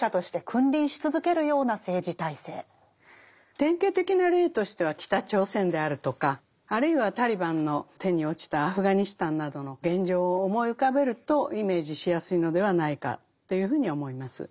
典型的な例としては北朝鮮であるとかあるいはタリバンの手に落ちたアフガニスタンなどの現状を思い浮かべるとイメージしやすいのではないかというふうに思います。